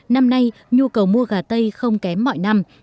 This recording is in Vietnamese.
năm nay nhu cầu mua gà tây không kém mọi năm